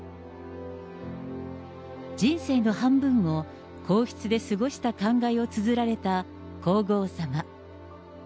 人生の半分を皇室で過ごした感慨をつづられた皇后さま。